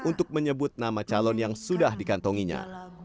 untuk menyebut nama calon yang sudah dikantonginya